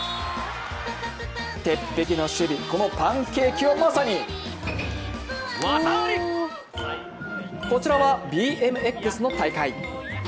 鉄壁の守備、このパンケーキはまさにこちらは、ＢＭＸの大会。